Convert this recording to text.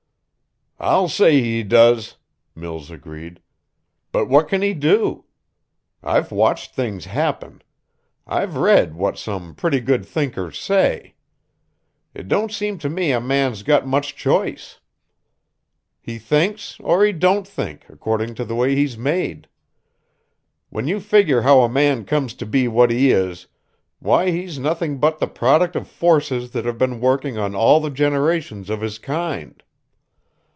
"I'll say he does," Mills agreed. "But what can he do? I've watched things happen. I've read what some pretty good thinkers say. It don't seem to me a man's got much choice. He thinks or he don't think, according to the way he's made. When you figure how a man comes to be what he is, why he's nothing but the product of forces that have been working on all the generations of his kind.